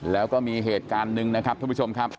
แล้วก็มีเหตุการณ์หนึ่งนะครับทุกผู้ชมครับ